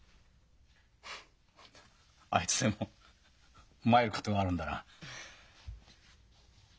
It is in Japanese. フッあいつでも参ることがあるんだな。